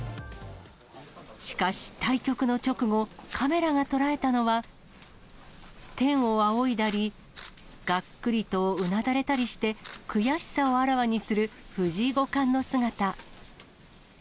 しかし、対局の直後、カメラが捉えたのは、天を仰いだり、がっくりとうなだれたりして、悔しさをあらわにする藤井五冠の姿。